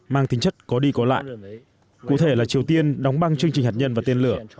mang tính chất có đi có lại cụ thể là triều tiên đóng băng chương trình hạt nhân và tên lửa